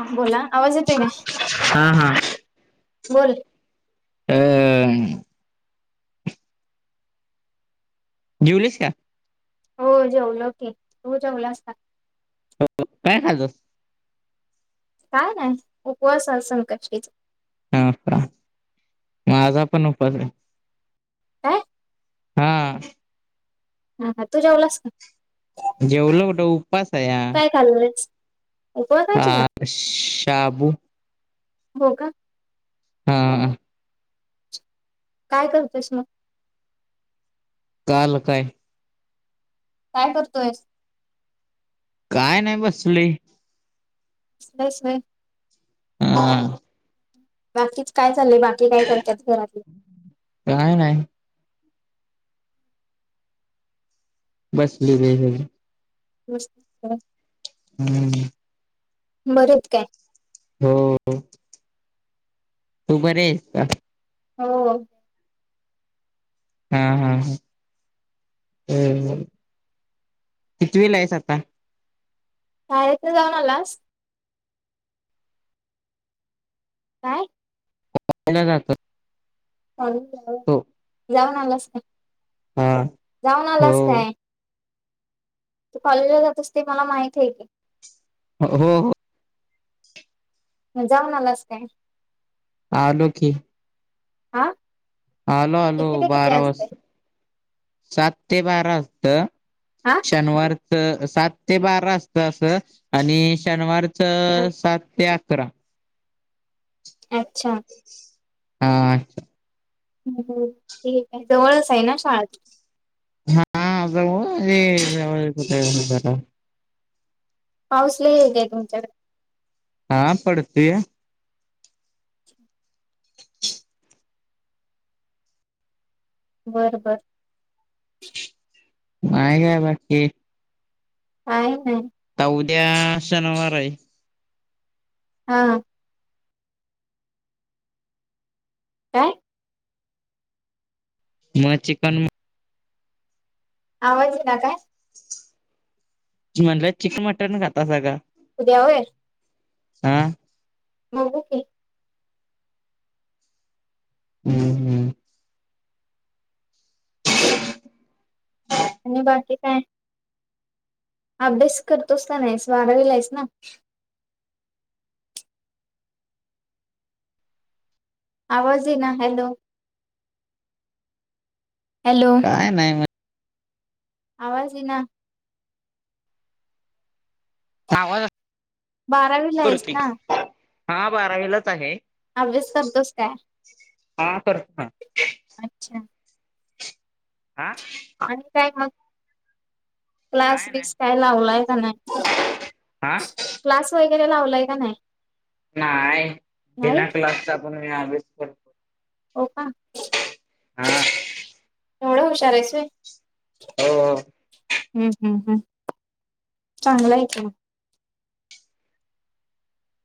ह बोलां आवाज येतोय काय? हा हा बोल [unintelligible] जेवलीसं काय? हो जेवलोकी, तू जेवलास काय? काय खालंस? काय नाही? उपवास असल [unintelligible] ह [inaudible] माझा पण उपास हाय. काय हा हा - हा तू जेवलास का?. - जेवलो कुठं? उपास काय? खांललयस... ह शाबून... होव का.... हा, हम्म.. काय? करतोस मग... कालं काय? काय? करतोयस... काय नाही बसलोय.... तस आह.... हम्.... बाकीच काय चाललंय बाकी काय? करतात, घरातले... काय् नाही.... बसलेले आहेत सगळे... बसं -. हम्म.. बरंच काय? आहेत काय... हो येत.... तू बर आहेसं का? हो अ... हा हा हं ह्.... कित वीला आहेच आता?... शाळेत न जाऊनलास.... काय?.. पुणय राहते... हळु हळु जाऊन आलास का. हा जाऊन हो आलास काय? तू कॉलेजला जातसते माहती आहे की.... हो हो... मग जाऊणा आला अस काय? आलो की... आअं.... आलो आलो बारा वाजस सात ते बारा वाजत...... हा शनिवार सात ते बारा असत असं आणि शनिवार..... सात ते अकरा.... अच्छा.... हा अच्छा.... हम् ठीक आहे जवळच आहे ना शाळ... हाुठ.. पाऊस लई आहे का तुमच्याकडे... हा पडतेय... बर बर.... मग काय बाकी.. काय नाही... आता उद्या शनिवार आहे... हा.... काय... मग चिकन म.... आवाज ना काय म्हटलं चिकन मटन खाता सगळं उद्यावर हम बघू की हम्म हम्म आणि बाकी काय अभ्यास करतोस का नाहीस बारावीला आहेस ना आवाज ईना हॅलो हॅलो काय नाही मग आवाज ईना आ वाज बारावीला आहेस ना हा बारावीलाच आहे अभ्यास करतोस काय हा कर अच्छा आ आणि काय मग क्लास विक्स काय लावलाय का नाही आ क्लास वगैरे लावलाय का नाही नाहीय नाही बीना क्लासचा पण मी अभ्यास करतो हो का हा एवढं हुशार आहेस व्हय हो हम् हम् हम् चांगला आहे का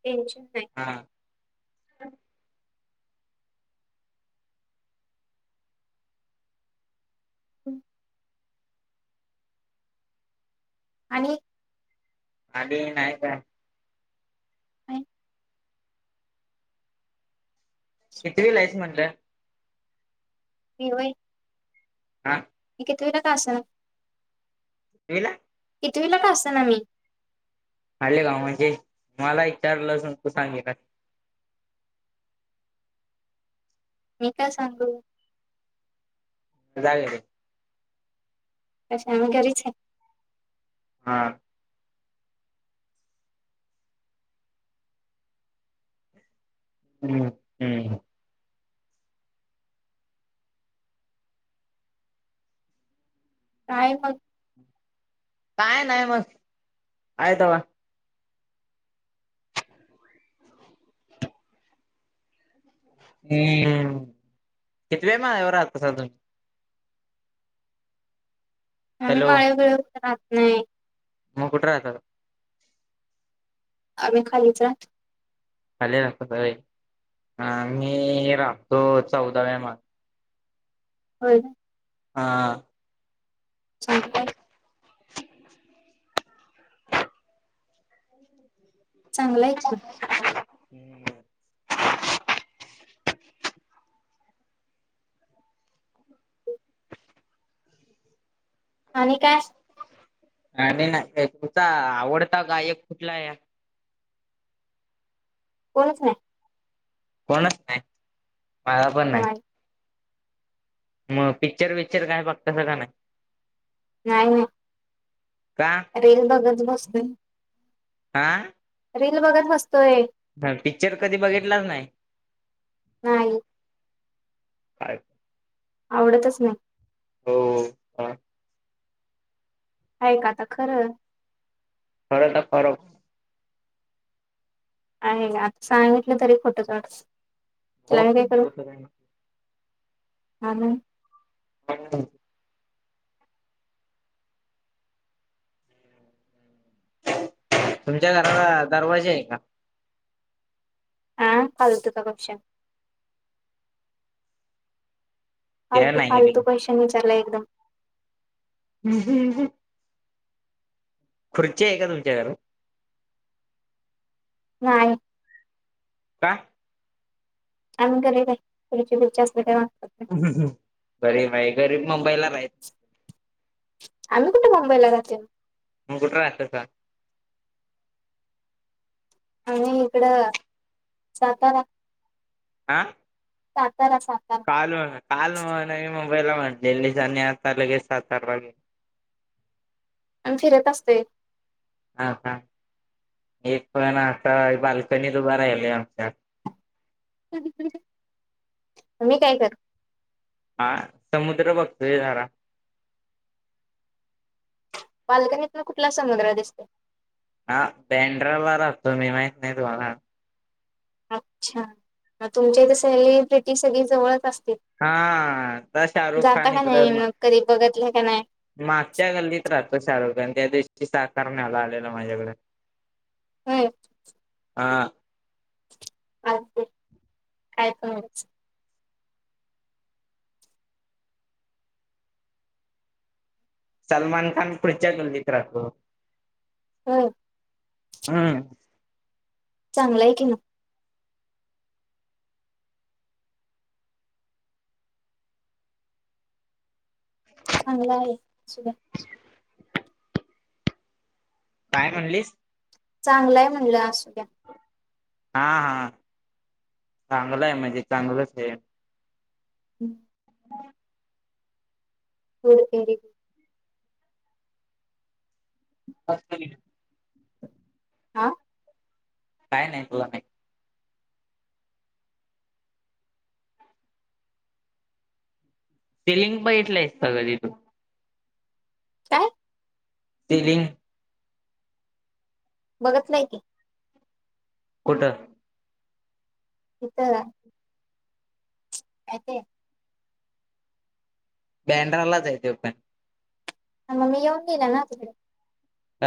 तेज हा हम् आणि आध नाही का का कितवीला आहेस म्हणलं हवय हा कितवीला का असणा येला कित वीला का असं ना मी आले गाव म्हणजे मला एक चार लस तू सांगे का [inaudible] मी काय सांगू जाग र अ आम कररीच हा हम्म हम्म काय फक् काय नाही मस आहे तेव हम्म कती व मावर आात क साधून आम्ही हॅलो माळगळ राहत नाही मग कुठ्र आहता आम्ही खालीचहात खलेत स अ मी राहतो चौदाव्या माग. हो. हा. सांगताय. चांगला आहे का. हम्म. आणि काय. आणि तुचा आवडता गायक कुठला आहे. बच. कोणच नाही मला पण नाही. मग पिक्चर वि्चर काय बघतस का नाही. नाही नाही. का रेल बघत बसते. आा. रील बघत बसतोय. ह पिक्चर कधी बघितलाच नाही. नाहीय. काय. आवडतच नाही. हो ह. आहे का आता खरं. खर तर कर. आहे का आता सांगितलं तरी खोटं तड. हो म तर. ह. हो. तुमच्या घराला दरवाजा आहे का. हह पाल तुका कष. ते फालतू नाही रिंग फालतू पैशन विचारला एकदम. हम्म हम. खुर्ची आहे का तुमच्याकर. नाहीय. का. आम्ही घ असत. गरीब आहे गरीब मुंबाईलला राहच नाही. आम्ही कुठे मुंबईला जाते मग कुठे राहत का. आणि इकडं सातारा. आह. सातारा सातारा काल काल म नाही म. ला म्हणलेली आतार लगेच सातार वागे. आ फिरत असते. हा का. एक पण आता बाल्कनीत उभं राहिलय आमच्यात. मी काय कर. हा समुद्र बघतोय जारा. पालकणीतून कुठला समुग्र दिसते. हा बँड्राला राहतो मी माहित नाही तुम्हाला. अच्छा तुमच्या इथ सेलिब्रिटी सगळी जवळच अस. हा तर शाहरुख खान का इकडे. नाही मग कधी बघितलं का नाही मागच्या गल्लीत राहतो शाहरुख खान त्या दिवशी साकार न्यायला आलेला माझ्याकडे हम्म हा अू काय पण सलमान खान पुढच्या गल्लीत राखो हम्म हम चांगलंय की ना चांगला आहे काय म्हणलीस चांगलंय म्हणलं असू द्या हा हा चांगलं आहे म्हणजे चांगलंच आहे होडर अस हा काय नाही तुला नाही सिलिंग पण इटलंय सग तथू काय फिलिंग बघत नाही की कुठ इ तर काते बँड्रालाच येत पण मग मी येऊन गेला ना तिकडे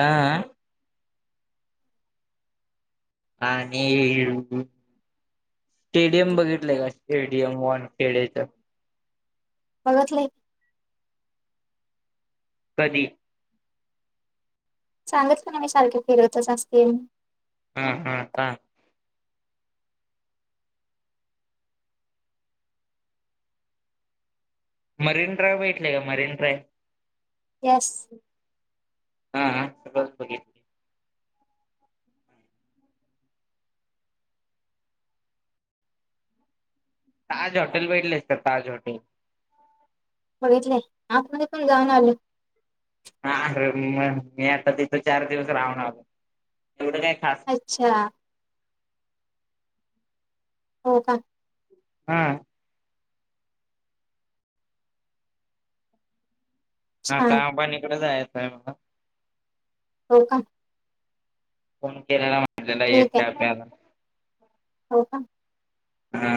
आह आणिळ स्टेडियम बघितलंय का स्टेडियम वन खेडेच बघत नाही कधी सांगितलं ना मी सारखेच फील होत असतील हम हा का मरीन ड्रायव्ह भेटलेय का मरीन ड्राय येस हा ह बघ ताज होॉटेल बटलेच ताज होॉटेल बघितलंय आता म पण जााऊन आल हा अरे मग मी आता तिथं चार दिवस राहणारो अच्छा हो का हा छान हता अंबाणीकडे जायचं आहे मला हो का फण केलेला म्हटलेला य ठीक आहे आपल्याला हो का हा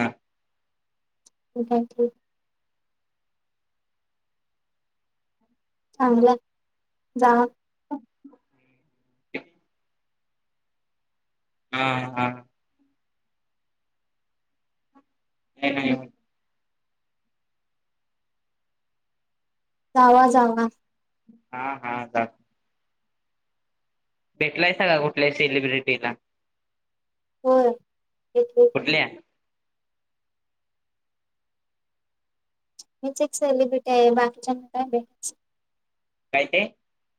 थँक्यू चांगलं जा हा, हा. नाही, नाही. जावा, जावा. हा, हा. चा भेटलायसा का कुठल्या सेलिब्रिटीला? हो. एक एक. कुठल्या मीच एक सेलिब्रिटी आहे बाकीच्या म काय भययचं. काय ते?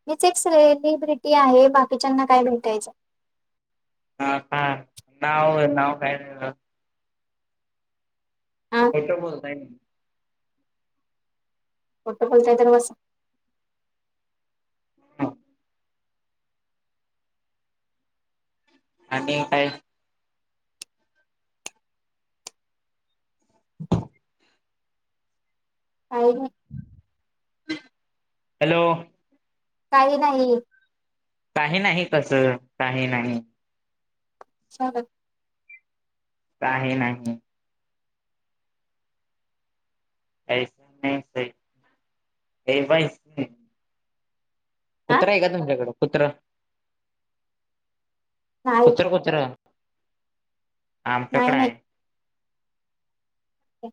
मिच एक सेलिब्रिटी आहे बाकीच्यांना काय भेटायचं. ह का. नाव नाव काय तुझं? हा खोटं बोलतायं ना? खोटं बोलतायं तर बसं. हा. आणि काय? काही नाही हॅलो. काही नाही. काही नाही कसं काही नाही. ह. काही नाही. ऐकु येत नाही. ये बाई [unintelligible] कुत्र हाय का तुमच्याकडं कुत्र? नाही कुत्र कुत्र. नाही आमच्याकड हाय. हो.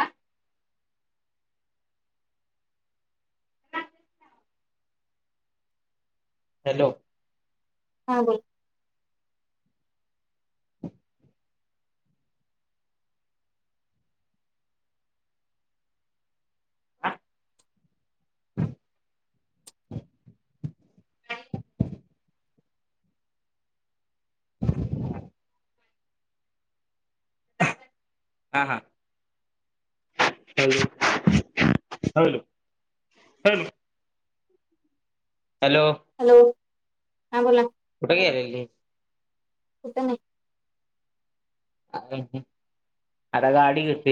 आ. हॅलो. हा बोल. हा हा. Hello, hello, hello. Hello. Hello हा बोला. कुठे गेलेली? कुठ नाही. अ आता गाडी घेतलीया.